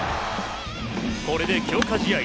これで強化試合